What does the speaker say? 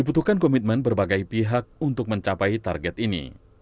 ini adalah komitmen berbagai pihak untuk mencapai target ini